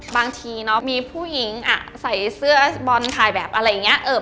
บางทีเนาะมีผู้หญิงอ่ะใส่เสื้อบอลถ่ายแบบอะไรอย่างนี้